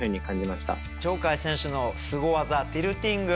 鳥海選手のすご技「ティルティング」。